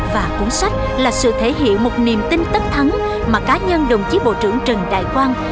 và cuốn sách là sự thể hiện một niềm tin tất thắng mà cá nhân đồng chí bộ trưởng trần đại quang